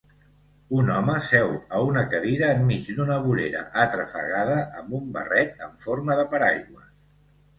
Un home seu a una cadira enmig d'una vorera atrafegada amb un barret en forma de paraigües.